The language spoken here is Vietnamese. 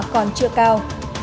còn chưa cao